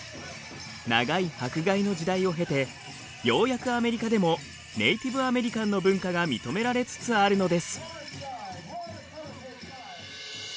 長い迫害の時代を経てようやくアメリカでもネイティブアメリカンの文化が認められつつあるのです。